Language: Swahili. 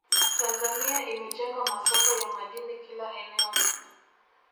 Tanzania imejenga masoko ya madini kila eneo